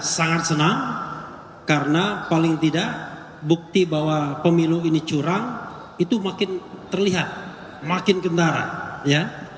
sangat senang karena paling tidak bukti bahwa pemilu ini curang itu makin terlihat makin kentara ya